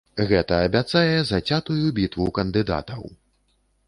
Гэта абяцае зацятую бітву кандыдатаў.